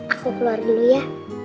aku keluar dulu ya